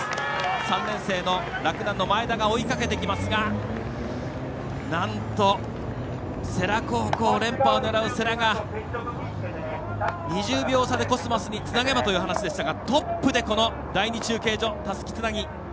３年生の洛南の前田が追いかけてきますがなんと、連覇を狙う世羅が２０秒差でコスマスにつなげばという話でしたがトップで第２中継所たすきつなぎ。